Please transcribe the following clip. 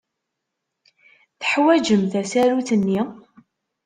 Teḥwajem tasarut-nni?